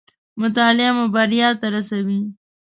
مطالعه مو بريا ته راسوي